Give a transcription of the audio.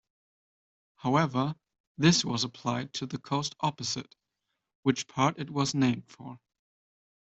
However, this was applied to the coast opposite, which part it was named for.